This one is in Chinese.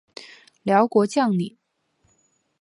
辽国将领。